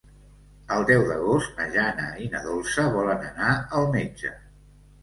El deu d'agost na Jana i na Dolça volen anar al metge.